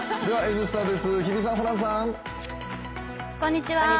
「Ｎスタ」です、日比さん、ホランさん。